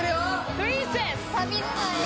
「プリンセス」違う！